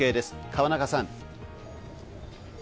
河中さん。